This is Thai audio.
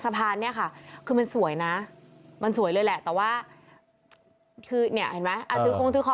สะพานนี้ค่ะคือมันสวยนะมันสวยเลยแหละแต่ว่าคือเนี่ยเห็นไหม